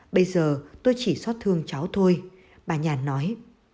bây giờ tôi chỉ xót thương cháu thôi bà nhàn nói